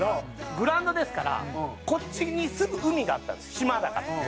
グラウンドですからこっちにすぐ海があったんです島だから。